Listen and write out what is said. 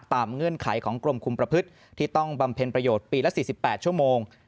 เงื่อนไขของกรมคุมประพฤติที่ต้องบำเพ็ญประโยชน์ปีละ๔๘ชั่วโมง